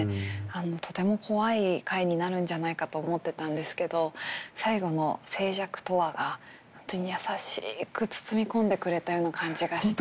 とても怖い回になるんじゃないかと思ってたんですけど最後の「静寂とは」が本当に優しく包み込んでくれたような感じがして。